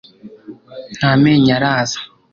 nta menyo araza